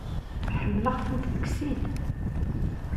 Ḥemmlen-tent deg sin.